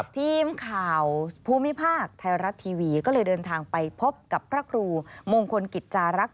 ทีมข่าวภูมิภาคไทยรัฐทีวีก็เลยเดินทางไปพบกับพระครูมงคลกิจจารักษ